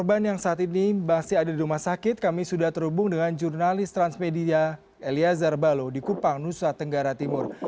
korban yang saat ini masih ada di rumah sakit kami sudah terhubung dengan jurnalis transmedia elia zarbalo di kupang nusa tenggara timur